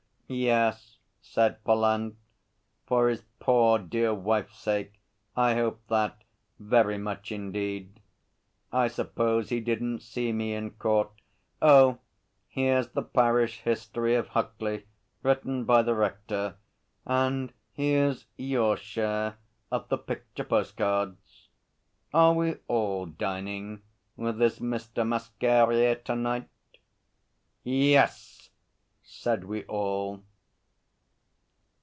'Yes,' said Pallant. 'For his poor, dear wife's sake I hope that, very much indeed. I suppose he didn't see me in Court. Oh, here's the parish history of Huckley written by the Rector and here's your share of the picture postcards. Are we all dining with this Mr. Masquerier to night?' 'Yes!' said we all.